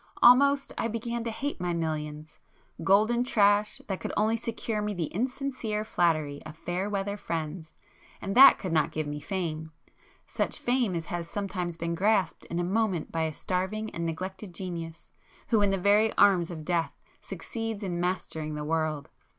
Almost I began to hate my millions,—golden [p 213] trash that could only secure me the insincere flattery of fair weather friends,—and that could not give me fame,—such fame as has sometimes been grasped in a moment by a starving and neglected genius, who in the very arms of death, succeeds in mastering the world.